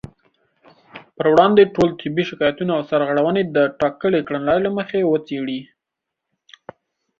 پر وړاندې ټول طبي شکايتونه او سرغړونې د ټاکلې کړنلارې له مخې وڅېړي